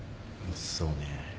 そうね